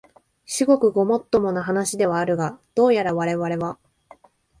至極ごもっともな話ではあるが、どうやらわれわれは、